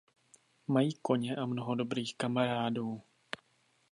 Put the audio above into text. Mají koně a mnoho dobrých kamarádů.